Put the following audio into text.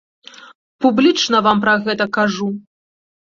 Публічна вам пра гэта кажу.